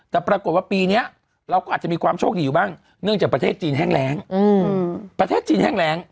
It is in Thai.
แต่ปรากฎว่าปีนี้เราก็อาจจะมีความโชคดีอยู่บ้างเนื่องจากประเทศจีนแห้งแรง